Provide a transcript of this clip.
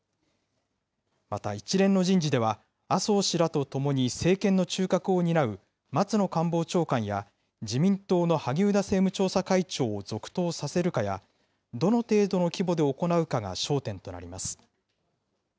また、一連の人事では、麻生氏らと共に政権の中核を担う松野官房長官や、自民党の萩生田政務調査会長を続投させるかや、どの程度の規模で行うかが焦点となります。